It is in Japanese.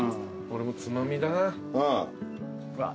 俺もつまみだな。